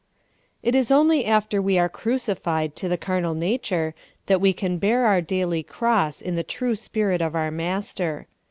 IT is only after we are crucified to the carnal nature that we can bear our daily cross in the true spirit of our Master.